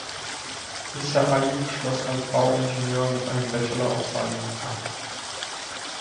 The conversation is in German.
Issa Ayyub schloss als Bauingenieur mit einem Bachelor of Science ab.